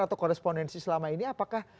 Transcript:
atau korespondensi selama ini apakah